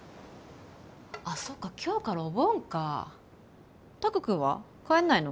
あそっか今日からお盆か拓くんは帰んないの？